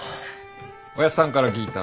おやっさんから聞いた。